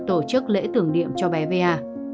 tổ chức lễ tưởng điệm cho bé bé a